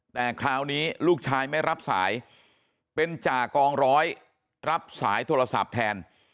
แต่คราวนี้ลูกชายไม่รับสายเป็นจ่ากองร้อยรับสายโทรศัพท์แทน